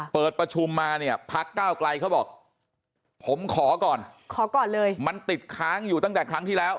เปิดประชุมพักเก้าใกล้เขาบอกผมขอก่อนว่ามันติดค้างอยู่ตั้งแต่ครั้งทีแล้ว